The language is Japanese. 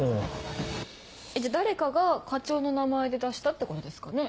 じゃあ誰かが課長の名前で出したってことですかね？